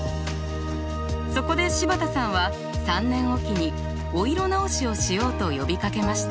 そこで柴田さんは３年置きにお色直しをしようと呼びかけました。